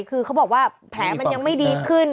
คือเขาบอกว่าแผลมันยังไม่ดีขึ้น